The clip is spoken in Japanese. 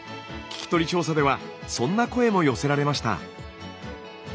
聞き取り調査ではそんな声も寄せられました。